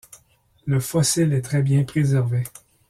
Le fossile est très bien préservé.